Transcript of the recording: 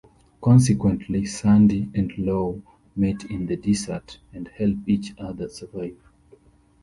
Consequently, Sandi and Lou meet in the desert and help each other survive.